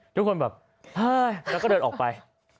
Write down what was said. ทุกคนแบบเฮ้ยแล้วก็เดินออกไป